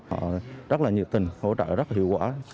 họ rất là nhiệt tình hỗ trợ rất hiệu quả